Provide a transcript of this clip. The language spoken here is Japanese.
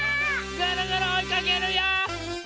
ぐるぐるおいかけるよ！